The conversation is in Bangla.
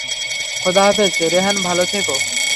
খোদা হাফেজ রেহান, ভাল থেকো।